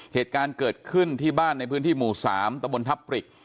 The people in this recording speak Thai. เหตุการณ์เกิดขึ้นที่บ้านในพื้นที่หมู่๓ตะบนทับปริก